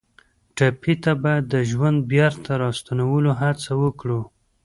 ټپي ته باید د ژوند بېرته راستنولو هڅه وکړو.